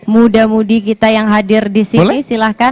muda mudi kita yang hadir disini silahkan